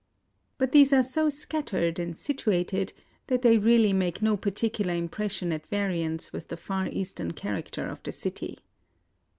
But these are so scat tered and situated that they really make no particular impression at variance with the Far Eastern character of the city.